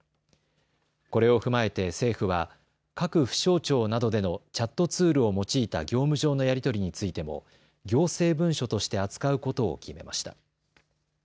これを踏まえて政府は各府省庁などでのチャットツールを用いた業務上のやり取りについても行政文書として扱うことを決めました。